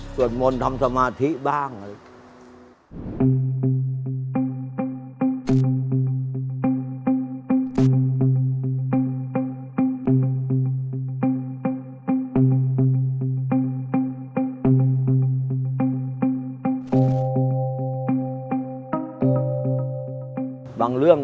สวรรค์มนต์ทำสมาธิบ้าง